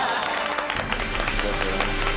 ありがとうございます。